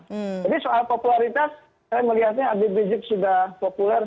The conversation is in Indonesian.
jadi soal popularitas saya melihatnya habib rizieq sudah populer